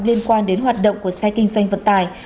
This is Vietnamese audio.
liên quan đến hoạt động của xe kinh doanh vận tải